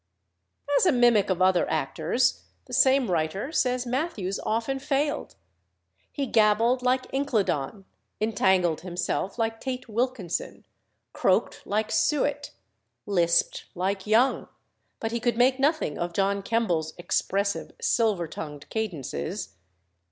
As a mimic of other actors, the same writer says Mathews often failed. He gabbled like Incledon, entangled himself like Tait Wilkinson, croaked like Suett, lisped like Young, but he could make nothing of John Kemble's "expressive, silver tongued cadences."